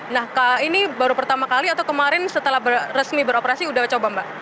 nah ini baru pertama kali atau kemarin setelah resmi beroperasi sudah coba mbak